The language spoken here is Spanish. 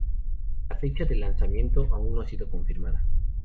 La fecha de lanzamiento aún no ha sido confirmada.